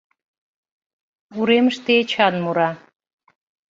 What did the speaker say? Уремыште Эчан мура: